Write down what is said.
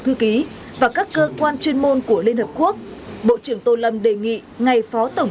thư ký và các cơ quan chuyên môn của liên hợp quốc bộ trưởng tô lâm đề nghị ngài phó tổng